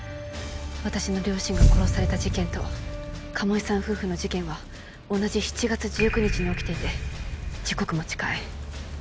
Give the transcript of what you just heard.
私の両親が殺された事件と鴨居さん夫婦の事件は同じ７月１９日に起きていて時刻も近い。